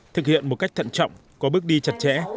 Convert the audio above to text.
thực hiện một cách thận trọng có bước đi chặt chẽ